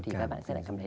thì các bạn sẽ cảm thấy